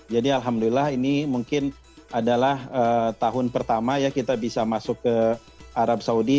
jadi alhamdulillah ini mungkin adalah tahun pertama ya kita bisa masuk ke arab saudi